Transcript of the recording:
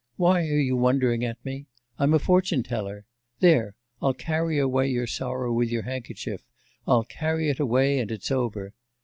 Why are you wondering at me? I'm a fortune teller. There, I'll carry away your sorrow with your handkerchief. I'll carry it away, and it's over.